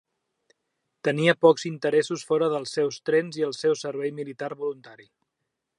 Tenia pocs interessos fora dels seus trens i el seu servei militar voluntari.